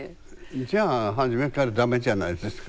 じゃあ初めからダメじゃないですか。